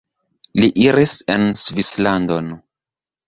Li iris en Svislandon.